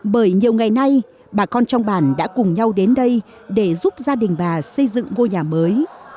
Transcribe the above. bởi nhiều ngày nay bà con trong bản đã cùng nhau đến đây để giúp gia đình bà xây dựng ngôi nhà mới